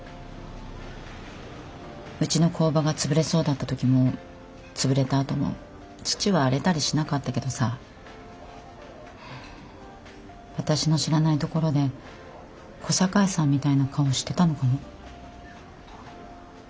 うちの工場が潰れそうだった時も潰れたあとも父は荒れたりしなかったけどさ私の知らないところで小堺さんみたいな顔してたのかも。